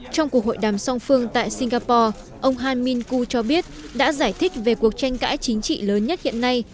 trong cuộc hội đàm song phương tại singapore ông han minh ku cho biết đã giải thích về cuộc tranh cãi chính trị lớn nhất hiện nay